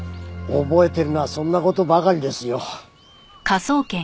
覚えてるのはそんな事ばかりですよ。